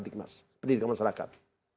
dikmas pendidikan masyarakat